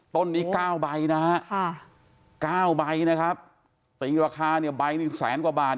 ต้นนี้๙ใบนะฮะ๙ใบนะครับตีราคาเนี่ยใบหนึ่งแสนกว่าบาท